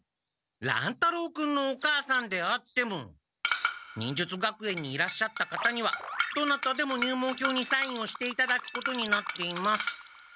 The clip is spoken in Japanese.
乱太郎君のお母さんであっても忍術学園にいらっしゃった方にはどなたでも入門票にサインをしていただくことになっています。